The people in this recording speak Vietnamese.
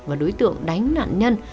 và đối tượng đánh nạn nhân